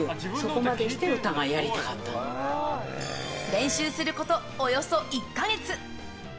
練習すること、およそ１か月。